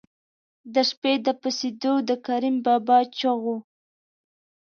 د شپې د پسېدو د کریم بابا چغو.